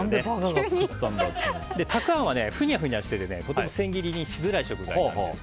たくあんはふにゃふにゃしていてとても千切りにしづらい食材なんです。